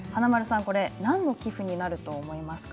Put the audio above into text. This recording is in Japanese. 何の寄付になると思いますか？